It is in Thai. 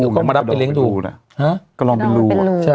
ก็มารับไปเล็งดู